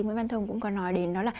nguyễn văn thông cũng có nói đến đó là